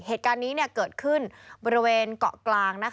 เหตุการณ์นี้เกิดขึ้นบริเวณเกาะกลาง